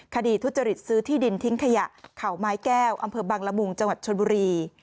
ทุจริตซื้อที่ดินทิ้งขยะเขาไม้แก้วอำเภอบังละมุงจังหวัดชนบุรี